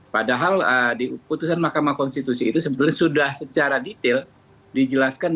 padahal di putusan mahkamah konstitusi itu sebetulnya sudah secara detail dijelaskan